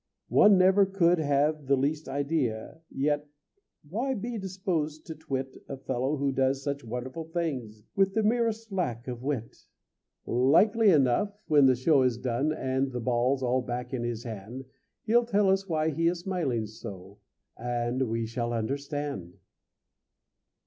One never could have the least idea. Yet why be disposed to twit A fellow who does such wonderful things With the merest lack of wit? Likely enough, when the show is done And the balls all back in his hand, He'll tell us why he is smiling so, And we shall understand.